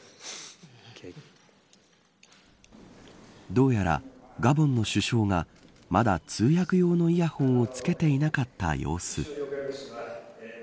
どうやら、ガボンド首相がまだ通訳用のイヤホンを着けていなかった様子。